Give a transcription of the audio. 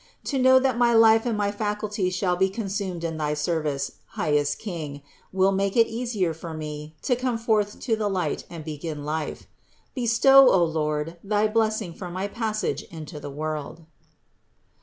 To know that my life and my faculties shall be consumed in thy service, highest King, will make it easier for me to come forth to the light and begin life. Bestow, O Lord, thy blessing for my passage into the world."